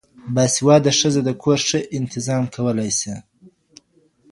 باسواده ښځه د کور ښه انتظام کولای سي